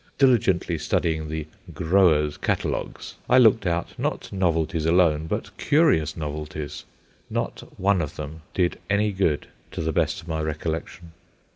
Diligently studying the "growers'" catalogues, I looked out, not novelties alone, but curious novelties. Not one of them "did any good" to the best of my recollection.